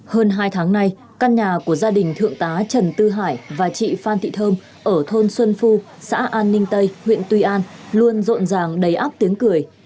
hơn hai tháng nay căn nhà của gia đình thượng tá trần tư hải và chị phan thị thơm ở thôn xuân phu xã an ninh tây huyện tuy an luôn rộn ràng đầy áp tiếng cười